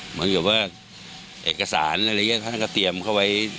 เหมือนกับว่าเอกสารอะไรอย่างนี้ท่านก็เตรียมเข้าไว้